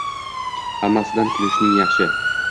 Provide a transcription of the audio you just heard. Hammasidan — kulishing yaxshi.